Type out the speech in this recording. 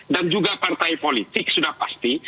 dan juga partai politik sudah pasti